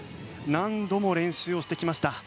何度も練習をしてきました。